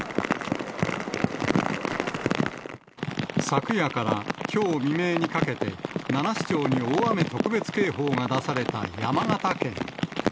昨夜からきょう未明にかけて、７市町に大雨特別警報が出された山形県。